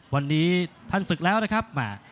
วันนี้ท่านศึกแล้วนะครับ